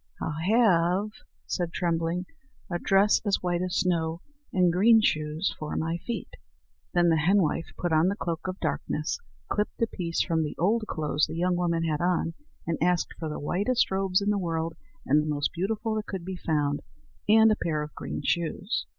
"I'll have," said Trembling, "a dress as white as snow, and green shoes for my feet." Then the henwife put on the cloak of darkness, clipped a piece from the old clothes the young woman had on, and asked for the whitest robes in the world and the most beautiful that could be found, and a pair of green shoes.